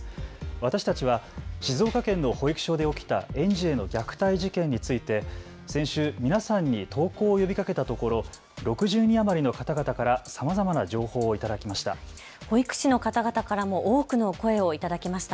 私たちは静岡県の保育所で起きた園児への虐待事件について先週、皆さんに投稿を呼びかけたところ６０人余りの方々からさまざまな情報を頂きました。